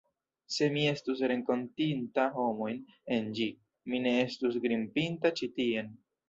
Se mi estus renkontinta homojn en ĝi, mi ne estus grimpinta ĉi tien.